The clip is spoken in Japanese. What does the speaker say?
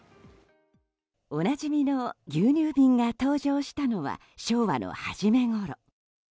おなじみの牛乳瓶が登場したのは昭和の初めごろ。